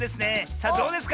さあどうですか？